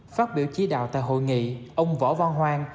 phát biểu trí đạo tại hội nghị ông võ văn hoang